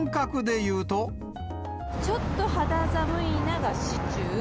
ちょっと肌寒いながシチュー。